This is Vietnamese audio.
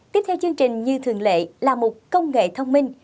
tiếp theo chương trình như thường lệ là một công nghệ thông minh